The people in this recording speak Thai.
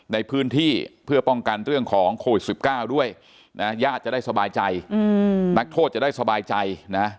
ในพื้นที่เพื่อป้องกันเรื่องของโควิด๑๙ด้วยนะญาติจะได้สบายใจนักโทษจะได้สบายใจนะ